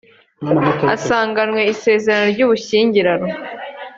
asanganywe isezerano ry ubushyingiranwe